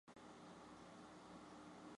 完全理性的人是完全的个人主义者。